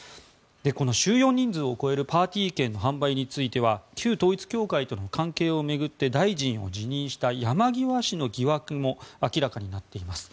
この収容人数を超えるパーティー券の販売については旧統一教会との関係を巡って大臣を辞任した山際氏の疑惑も明らかになっています。